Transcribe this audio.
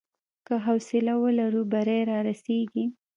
که حوصله ولرو، بری رارسېږي.